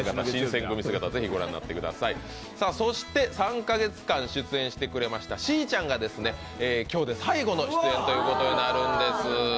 そして３カ月間出演してくれましたしーちゃんが、今日で最後の出演ということになるんです。